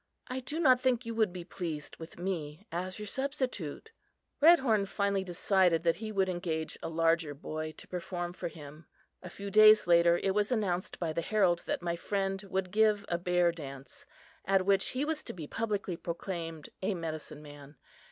I do not think you would be pleased with me as your substitute." Redhorn finally decided that he would engage a larger boy to perform for him. A few days later, it was announced by the herald that my friend would give a Bear Dance, at which he was to be publicly proclaimed a medicine man.